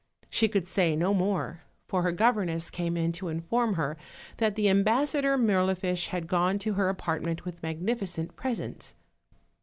She could say no more, for her governess came in to inform her that the Ambassador Mirlifiche had gone to her apartment with magnificent presents.